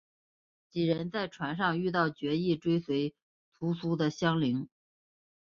几人在船上遇到决意追随屠苏的襄铃。